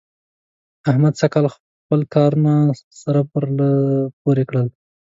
احمد سږکال خپل کارونه سره پرله پورې کړل.